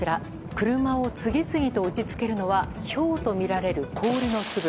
車を次々と打ち付けるのはひょうとみられる氷の粒。